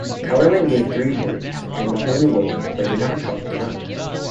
Kellerman gave three warnings, and Mahoney lowered, but did not drop, the gun.